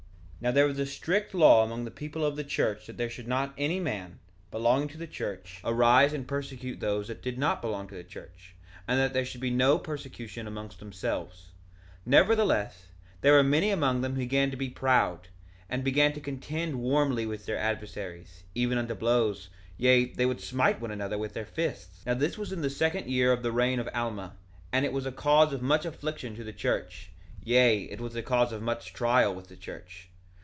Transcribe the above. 1:21 Now there was a strict law among the people of the church that there should not any man, belonging to the church, arise and persecute those that did not belong to the church, and that there should be no persecution among themselves. 1:22 Nevertheless, there were many among them who began to be proud, and began to contend warmly with their adversaries, even unto blows; yea, they would smite one another with their fists. 1:23 Now this was in the second year of the reign of Alma, and it was a cause of much affliction to the church; yea, it was the cause of much trial with the church.